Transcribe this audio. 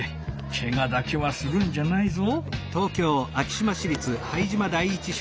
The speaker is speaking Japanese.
けがだけはするんじゃないぞ。